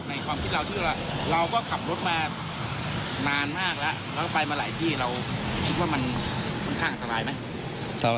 ความคิดเราที่เราขับรถมานานมากแล้วแล้วก็ไปมาหลายที่เราคิดว่ามันค่อนข้างอันตรายไหม